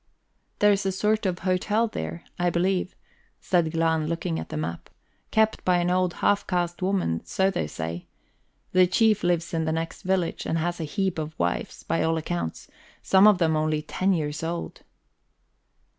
"There's a sort of hotel there, I believe," said Glahn, looking at the map. "Kept by an old half caste woman, so they say. The chief lives in the next village, and has a heap of wives, by all accounts some of them only ten years old."